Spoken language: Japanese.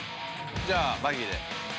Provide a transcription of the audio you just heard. ◆じゃあ、バギーで。